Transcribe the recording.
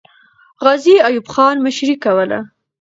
غازي ایوب خان مشري کوله.